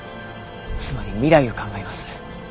つまり未来を考えます。